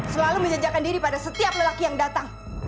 selalu menjejakan diri pada setiap lelaki yang datang